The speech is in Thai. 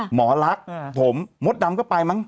หมอลักษณ์ผมมดดำก็ไปมั้ง